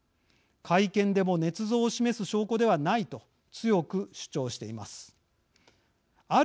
会見でも、ねつ造を示す証拠ではないと強く主張しています。